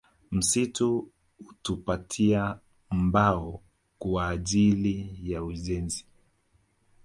Misitu hutupatia mbao kwaajili ya ujenzi